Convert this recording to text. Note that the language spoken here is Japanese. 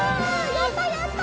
やったやった！